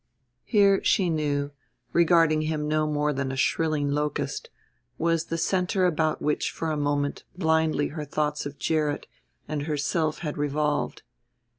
Here, she knew, regarding him no more than a shrilling locust, was the center about which for a moment blindly her thoughts of Gerrit and herself had revolved.